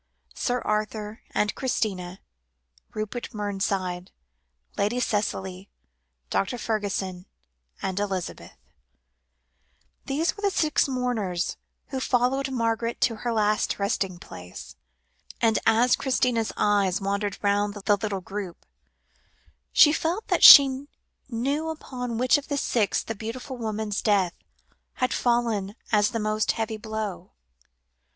Sir Arthur and Christina, Rupert Mernside, Lady Cicely, Dr. Fergusson, and Elizabeth these were the six mourners who followed Margaret to her last resting place, and as Christina's eyes wandered round the little group, she felt that she knew upon which of the six the beautiful woman's death had fallen as the most heavy blow.